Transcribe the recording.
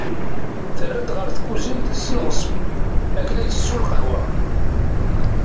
Terra-d ɣer tkuzint s leɣseb akken ad tessu lqahwa.